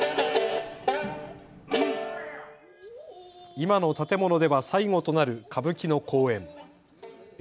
今の建物では最後となる歌舞伎の公演。